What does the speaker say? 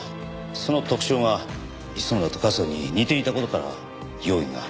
その特徴が磯村と春日に似ていた事から容疑が。